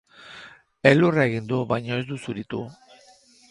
Elurra egin du, baina ez du zuritu.